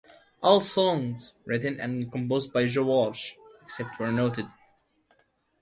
All songs written and composed by Joe Walsh, except where noted.